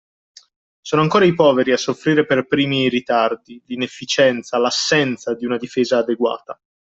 Sono ancora i poveri a soffrire per primi i ritardi, l'inefficienza, l'assenza di una difesa adeguata